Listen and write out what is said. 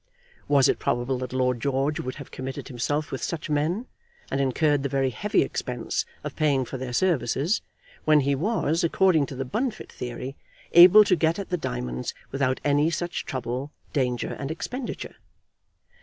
Was it probable that Lord George would have committed himself with such men, and incurred the very heavy expense of paying for their services, when he was, according to the Bunfit theory, able to get at the diamonds without any such trouble, danger, and expenditure?